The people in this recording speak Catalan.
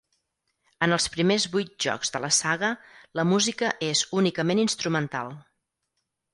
En els primers vuit jocs de la saga, la música és únicament instrumental.